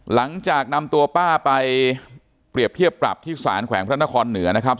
หลังจากนำตัวป้าไปเปรียบเทียบปรับที่สารแขวงพระนครเหนือนะครับ